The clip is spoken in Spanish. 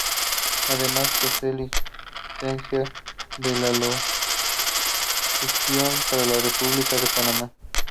Además posee licencia de locución para la República de Panamá.